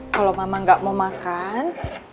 kalau mama gak mau makan